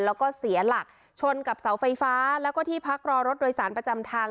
แล้วก็เสียหลักชนกับเสาไฟฟ้าแล้วก็ที่พักรอรถโดยสารประจำทาง